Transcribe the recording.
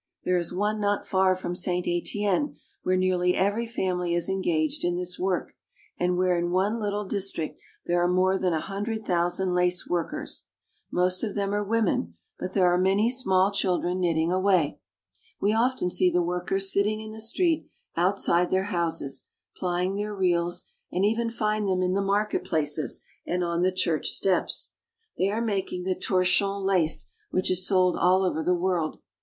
There is one not far from St. Etienne where nearly every family is engaged in this work, and where in one little district there are more than a hundred thousand lace workers. Most of them are women, but there are many COMMERCIAL AND MANUFACTURING FRANCE. 105 small children knitting away. We often see the workers sitting in the street outside their houses, plying their reels, and even find them in the market places and on the church steps. They are making the torchon lace which is sold all over the world.